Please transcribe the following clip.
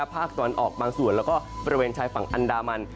ภาคตะวันออกบางส่วนแล้วก็บริเวณชายฝั่งอันดามัน